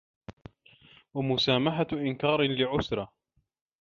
وَمُسَامَحَةُ إنْكَارٍ لِعُسْرَةٍ